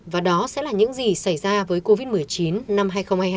và đó sẽ là những gì xảy ra với covid một mươi chín năm hai nghìn hai mươi hai